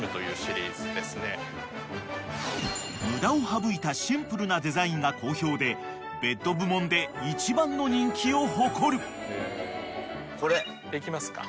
［無駄を省いたシンプルなデザインが好評でベッド部門で一番の人気を誇る］いきますか？